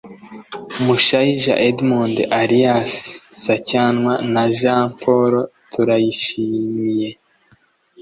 Mushayija Edmond alias Sacyanwa na Jean Paul Turayishimiye